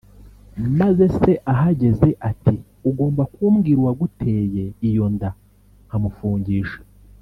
Maze se ahageze ati “Ugomba kumbwira uwaguteye iyo nda nkamufungisha